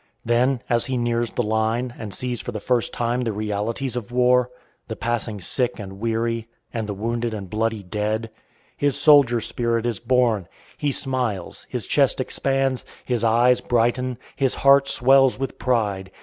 Then, as he nears the line, and sees for the first time the realities of war, the passing sick and weary, and the wounded and bloody dead, his soldier spirit is born; he smiles, his chest expands, his eyes brighten, his heart swells with pride.